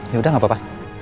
yaudah gak apa apa